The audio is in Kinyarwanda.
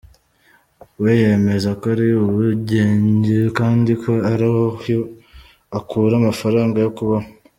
We yemeza ko ari ubugenge kandi ko ariho akura amafaranga yo kubaho.